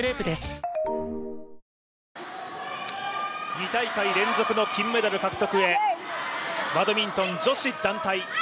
２大会連続の金メダル獲得へバドミントン女子団体